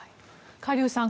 カ・リュウさん